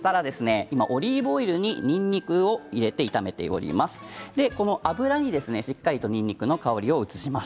今、オリーブオイルににんにくを入れて炒めております。